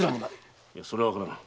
それはわからん。